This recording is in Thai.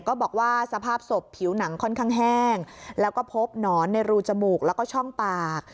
ก็บอกว่าสภาพศพผิวหนังค่อนข้างแห้งแล้วก็พบหนอนในรูจมูกแล้วก็ช่องปาก